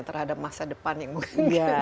terhadap masa depan yang mungkin